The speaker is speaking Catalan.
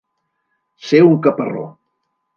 Ser un caparró.